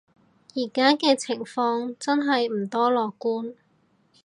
而家嘅情況真係唔多樂觀